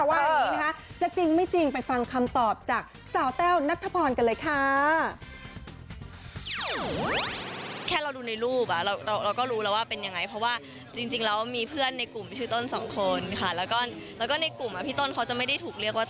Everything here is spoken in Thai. ไม่รู้เลยจริงอ่ะค่ะอยากรู้เหมือนกันเนี่ยไม่รู้เลย